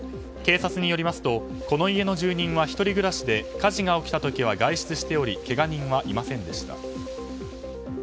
警察によりますとこの家の住人は１人暮らしで火事が起きた時は外出しておりけが人はいませんでした。